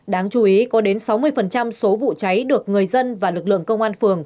đáng chú ý có đến sáu mươi số vụ cháy được người dân và lực lượng công an phường